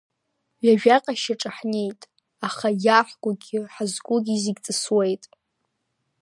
Ҩажәаҟа шьаҿа ҳнеит, аха иаҳкугьы ҳазкугьы зегь ҵысуеит.